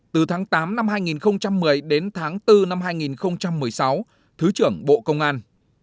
từ tháng tám năm hai nghìn một mươi đến tháng bốn năm hai nghìn một mươi sáu thứ trưởng bộ công an